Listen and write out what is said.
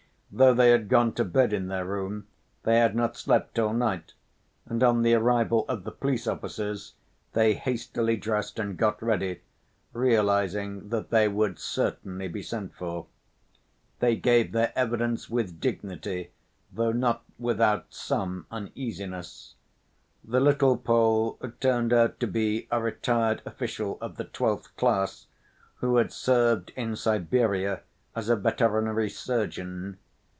Though they had gone to bed in their room, they had not slept all night, and on the arrival of the police officers they hastily dressed and got ready, realizing that they would certainly be sent for. They gave their evidence with dignity, though not without some uneasiness. The little Pole turned out to be a retired official of the twelfth class, who had served in Siberia as a veterinary surgeon.